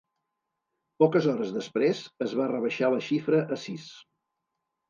Poques hores després, es va rebaixar la xifra a sis.